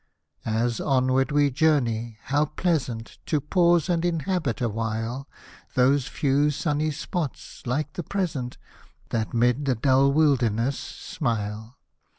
As onward we journey, how pleasant To pause and inhabit awhile Those few sunny spots, like the present, That 'mid the dull wilderness smile